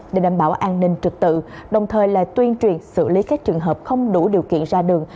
để đảm bảo an ninh trực tự đồng thời là tuyên truyền xử lý các trường hợp không đủ điều kiện ra đường